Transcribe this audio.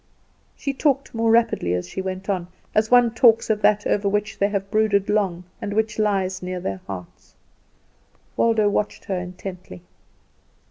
She talked more rapidly as she went on, as one talks of that over which they have brooded long, and which lies near their hearts. Waldo watched her intently.